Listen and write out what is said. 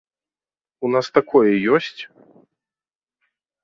У нас такое ёсць?